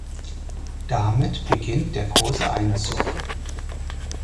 Damit beginnt der Große Einzug.